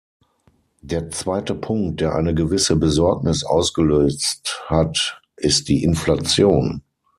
Der zweite Punkt, der eine gewisse Besorgnis ausgelöst hat, ist die Inflation.